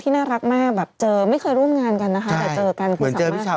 ที่น่ารักมากแบบเจอไม่เคยร่วมงานกันนะคะแต่เจอกันเหมือนเจอพี่เชา